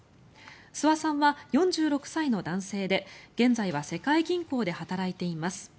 諏訪さんは４６歳の男性で現在は世界銀行で働いています。